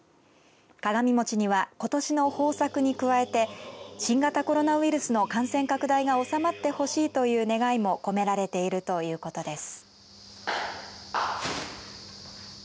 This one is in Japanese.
鏡餅にはことしの豊作に加えて新型コロナウイルスの感染拡大が収まってほしいという願いも込められているということです。